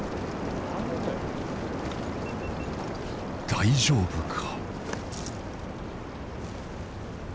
大丈夫か？